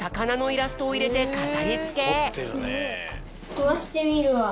とばしてみるわ。